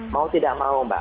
mau tidak mau mbak